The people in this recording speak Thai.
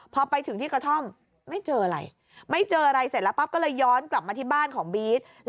พอไปถึงที่กระท่อมไม่เจออะไร